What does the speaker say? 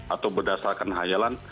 atau berdasarkan khayalan